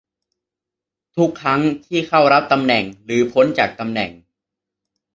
ทุกครั้งที่เข้ารับตำแหน่งหรือพ้นจากตำแหน่ง